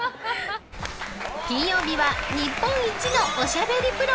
金曜日は日本一のおしゃべりプロ！